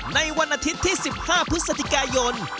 ในวันอาทิตย์ที่๑๕พฤศจิกายน